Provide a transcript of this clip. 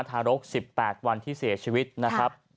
ทารก๑๘วันที่เสียชีวิตนะครับ